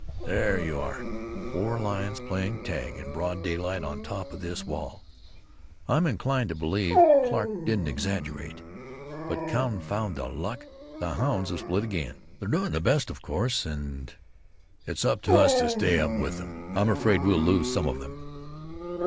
There you are! Four lions playing tag in broad daylight on top of this wall! I'm inclined to believe Clarke didn't exaggerate. But confound the luck! the hounds have split again. They're doing their best, of course, and it's up to us to stay with them. I'm afraid we'll lose some of them.